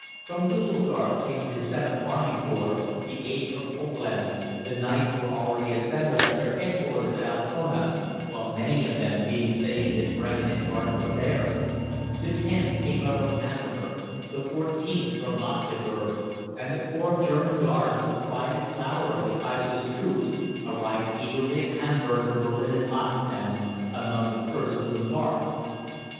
From Düsseldorf came the VIIth Army Corps, the VIIIth from Coblenz, the IXth were already assembled at their headquarters at Altona, while many of them being stationed at Bremen embarked from there; the Xth came up from Hanover, the XIVth from Magdeburg, and the Corps of German Guards, the pride and flower of the Kaiser's troops, arrived eagerly at Hamburg from Berlin and Potsdam, among the first to embark.